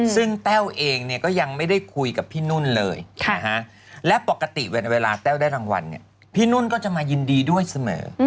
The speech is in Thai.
ซึ่งแต้วเองเนี่ยก็ยังไม่ได้คุยกับพี่นุ่นเลยและปกติเวลาแต้วได้รางวัลเนี่ยพี่นุ่นก็จะมายินดีด้วยเสมอ